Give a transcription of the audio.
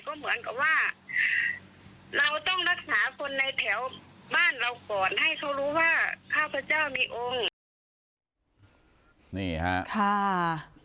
ก็เหมือนกับว่าเราต้องรักษาคนในแถวบ้านเราก่อนให้เขารู้ว่าข้าพเจ้ามีองค์นี่ฮะค่ะ